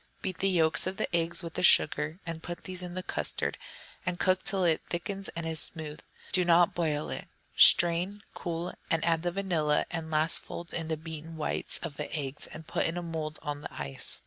Beat the yolks of the eggs with the sugar, and put these in the custard, and cook till it all thickens and is smooth, but do not boil it. Strain, cool, and add the vanilla, and last fold in the beaten whites of the eggs, and put in a mould on the ice.